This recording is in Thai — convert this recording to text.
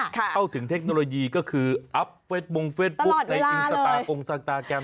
เข้าถึงเทคโนโลยีก็คืออัพเฟสบงเฟสบุ๊คในอินสตาร์กงสตาแกรม